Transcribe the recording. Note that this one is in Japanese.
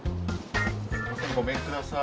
ごめんください。